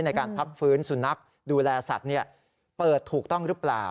ในการพักฟื้นสุนัขดูแลสัตว์เปิดถูกต้องหรือเปล่า